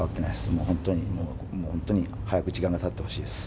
もう本当に、本当に早く時間がたってほしいです。